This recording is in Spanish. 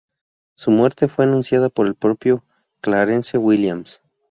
Su muerte fue anunciada por el propio Clarence Williams.